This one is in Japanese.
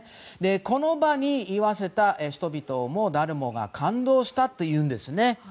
この場に居合わせた人々も誰もが感動したというんです。